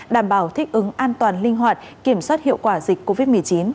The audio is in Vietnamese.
đảm bảo thích ứng an toàn linh hoạt kiểm soát hiệu quả dịch covid một mươi chín